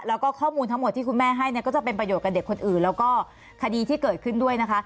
แล้วก็ข้อมูลทั้งหมดที่คุณแม่ให้เนี่ยก็จะเป็นประโยชน์กับเด็กคนอื่นแล้วก็คดีที่เกิดขึ้นด้วยนะคะ